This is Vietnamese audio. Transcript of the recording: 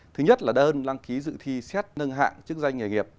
thứ nhất là đơn đăng ký dự thi xét nâng hạng chức danh nghề nghiệp